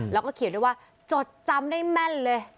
แล้วก็เขียนด้วยว่าจดจำได้แม่นเลย